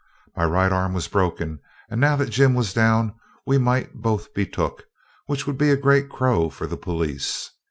My right arm was broken, and now that Jim was down we might both be took, which would be a great crow for the police.